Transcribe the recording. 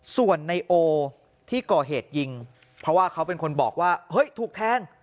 ส่วนในโอที่ก่อเหตุยิงเพราะว่าเขาเป็นคนบอกว่าเฮ้ยถูกแทง